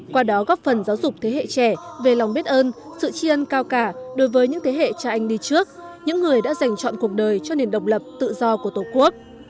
qua đó góp phần giáo dục thế hệ trẻ về lòng biết ơn sự tri ân cao cả đối với những thế hệ cha anh đi trước những người đã dành chọn cuộc đời cho nền độc lập tự do của tổ quốc